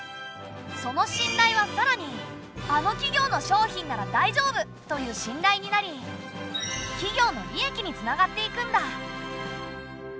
その信頼はさらに「あの企業の商品ならだいじょうぶ！」という信頼になり企業の利益につながっていくんだ。